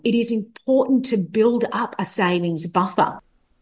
itu penting untuk membangun buffer uang kecemasan